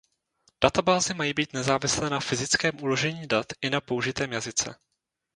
Databáze mají být nezávislé na fyzickém uložení dat i na použitém jazyce.